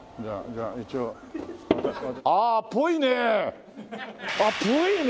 ああっぽいね！